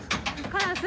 カラス。